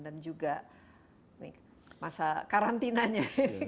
dan juga masa karantinanya